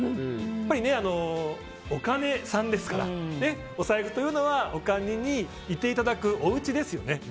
やっぱり、お金さんですからお財布というのはお金にいていただくおうちですよね。